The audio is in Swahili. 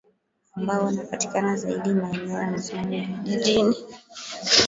ambao wanapatikana zaidi maeneo ya Musoma Vijijini